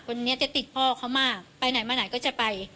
คนนี้จะติดพ่อเขามากไปไหนมาไหนก็จะไป